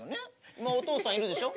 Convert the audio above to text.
今お父さんいるでしょ？